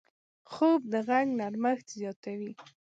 خوب د غږ نرمښت زیاتوي